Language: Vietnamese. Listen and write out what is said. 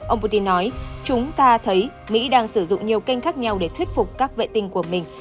ông putin nói chúng ta thấy mỹ đang sử dụng nhiều kênh khác nhau để thuyết phục các vệ tinh của mình